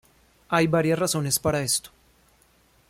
Hay varias razones para esto.